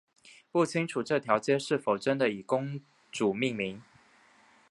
不清楚这条街是否真的以公主命名。